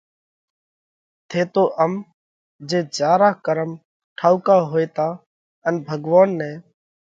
ٿيتو ام جي جيا را ڪرم ٺائُوڪا هوئيتا ان ڀڳوونَ نئہ